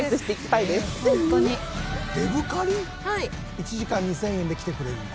１時間２０００円で来てくれるんだ？